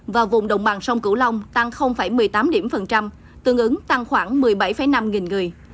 và vùng đồng bằng sông cửu long tăng một mươi tám tương ứng tăng khoảng một mươi bảy năm nghìn người